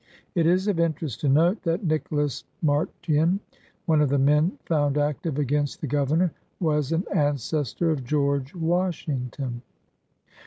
It is of interest to note that Nicholas Martian, one of the men found active against the Governor, was an ancestor of George Washington.